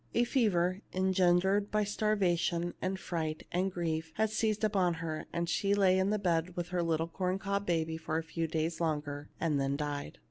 A fever, engendered by starvation and fright and grief, had seized upon her, and she lay in the bed with her little corn cob baby a few days longer, and then died.